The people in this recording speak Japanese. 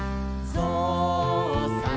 ぞうさん